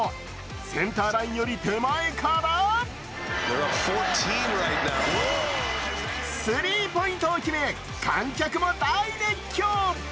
センターラインより手前からスリーポイント決め観客も大熱狂。